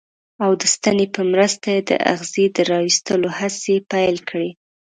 او د ستنې په مرسته یې د اغزي د را ویستلو هڅې پیل کړې.